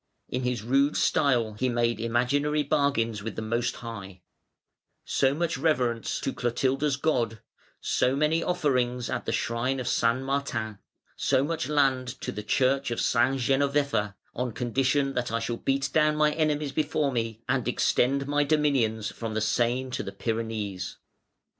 In his rude style he made imaginary bargains with the Most High: "so much reverence to 'Clotilda's God,' so many offerings at the shrine of St. Martin, so much land to the church of St. Genovefa, on condition that I shall beat down my enemies before me and extend my dominions from the Seine to the Pyrenees".